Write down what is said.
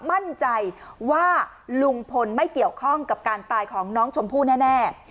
มั่นใจว่าลุงพลไม่เกี่ยวข้องกับการตายของน้องชมพู่แน่